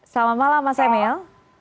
selamat malam mas emil